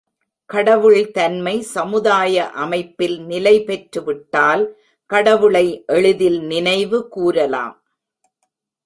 கடவுள் தன்மை சமுதாய அமைப்பில் நிலைபெற்றுவிட்டால் கடவுளை எளிதில் நினைவு கூரலாம்.